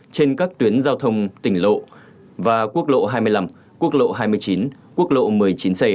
trên các tuyến giao thông tỉnh lộ và quốc lộ hai mươi năm quốc lộ hai mươi chín quốc lộ một mươi chín c